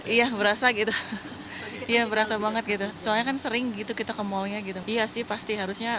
iya berasa gitu iya berasa banget gitu soalnya kan sering gitu kita ke mallnya gitu iya sih pasti harusnya